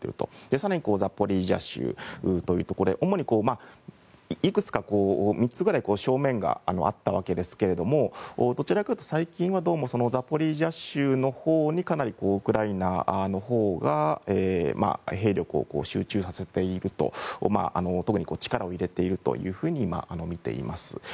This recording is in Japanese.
更にザポリージャ州などで３つぐらい正面があったわけですがどちらかというと最近はザポリージャ州のほうにかなりウクライナのほうが兵力を集中させていると特に力を入れているとみています。